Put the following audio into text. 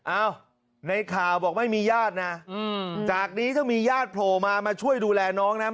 อ้าวในข่าวบอกไม่มีญาตินะจากนี้ถ้ามีญาติโผล่มามาช่วยดูแลน้องนะ